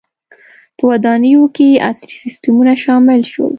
• په ودانیو کې عصري سیستمونه شامل شول.